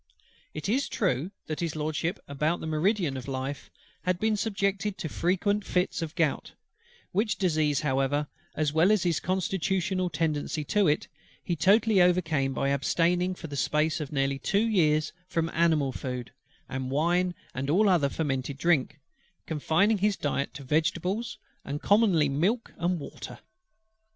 It is true, that HIS LORDSHIP, about the meridian of life, had been subject to frequent fits of the gout: which disease however, as well as his constitutional tendency to it, he totally overcame by abstaining for the space of nearly two years from animal food, and wine and all other fermented drink; confining his diet to vegetables, and commonly milk and water.